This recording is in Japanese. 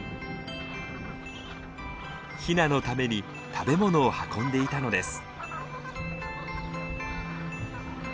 ヒナのために食べ物を運んでいたのです。